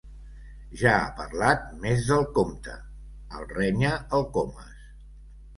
Ja ha parlat més del compte —el renya el Comas—.